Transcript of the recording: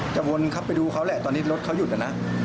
จะวนขับไปดูเขาแหละตอนนี้รถเขาหยุดแล้วนะ